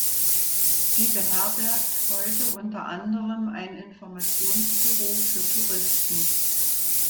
Sie beherbergt heute unter anderem ein Informationsbüro für Touristen.